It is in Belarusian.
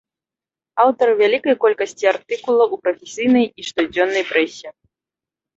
Аўтар вялікай колькасці артыкулаў у прафесійнай і штодзённай прэсе.